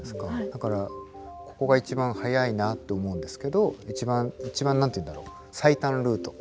だからここが一番早いなと思うんですけど一番何て言うんだろう最短ルート。